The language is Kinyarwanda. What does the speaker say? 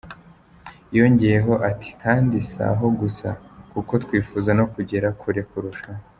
Yongeyeho ati “Kandi si aho gusa kuko twifuza no kugera kure kurushaho.